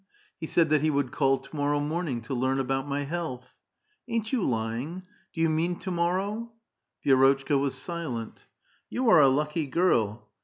" He said that he would call to morrow morning to learn about my health." " Ain't you lying? do j'ou mean to morrow? " Vi^rotchka was silent. "You are a lucky girl."